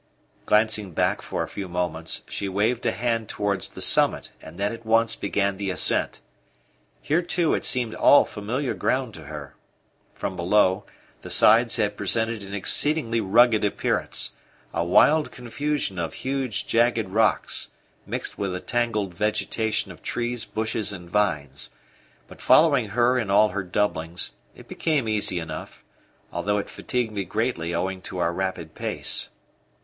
Glancing back for a few moments, she waved a hand towards the summit, and then at once began the ascent. Here too it seemed all familiar ground to her. From below, the sides had presented an exceedingly rugged appearance a wild confusion of huge jagged rocks, mixed with a tangled vegetation of trees, bushes, and vines; but following her in all her doublings, it became easy enough, although it fatigued me greatly owing to our rapid pace.